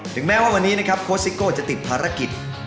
ถึงแม้ว่าวันนี้นะครับโค้ชซิโก้จะติดภารกิจ